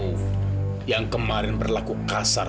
hukum yang kemarin berlaku kasar